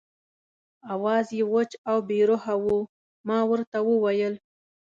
آواز یې وچ او بې روحه و، ما ورته وویل.